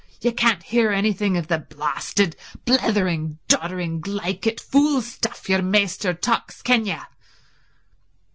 Ye can't hear anything of the blasted, blethering, doddering, glaikit fool stuff yer maister talks, can ye?"